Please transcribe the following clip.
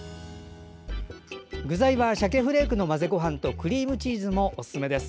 具材はシャケフレークの混ぜごはんとクリームチーズもおすすめです。